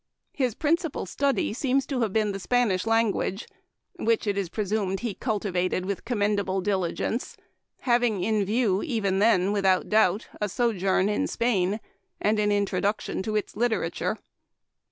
His principal study seems to have been the Spanish language, which, it is presumed, he cultivated with com mendable diligence, having in view even then, without doubt, a sojourn in Spain, and an in troduction to its literature.